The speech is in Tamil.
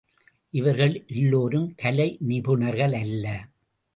இவர்கள் எல்லோரும் கலை நிபுணர்கள் அல்ல.